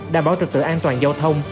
đảm bảo trực tự an toàn giao thông